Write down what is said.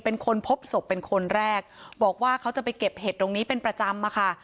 เป็นคนพบศพเป็นคนแรกบอกว่าเขาจะไปเก็บเห็ดตรงนี้เป็นประจำอะค่ะ